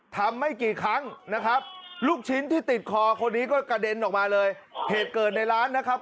ไม่กี่ครั้งนะครับลูกชิ้นที่ติดคอคนนี้ก็กระเด็นออกมาเลยเหตุเกิดในร้านนะครับ